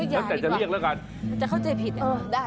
หลายก่อนนย์ยากนี้ก่อนแต่จะเรียกละกัน